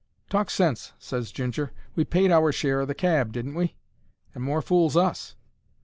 "Talk sense!" ses Ginger. "We paid our share o' the cab, didn't we? And more fools us."